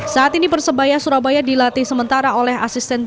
saat ini persebaya surabaya dilatih sementara oleh asisten